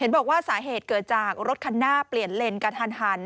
บอกว่าสาเหตุเกิดจากรถคันหน้าเปลี่ยนเลนกระทันหัน